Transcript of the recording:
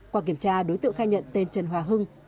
qua kiểm tra đối tượng khai nhận tên trần hòa hưng